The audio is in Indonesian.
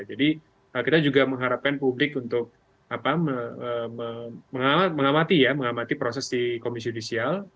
jadi kita juga mengharapkan publik untuk mengamati ya mengamati proses di komisi judisial